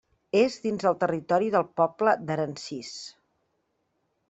És dins del territori del poble d'Aransís.